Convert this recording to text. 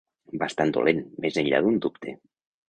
Bastant dolent, més enllà d'un dubte.